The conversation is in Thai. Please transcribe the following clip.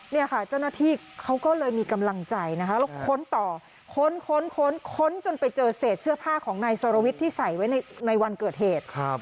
เนี่ยค่ะเจ้าหน้าที่เขาก็เลยมีกำลังใจนะคะแล้วค้นต่อค้นค้นค้นจนไปเจอเศษเสื้อผ้าของนายสรวิทย์ที่ใส่ไว้ในวันเกิดเหตุ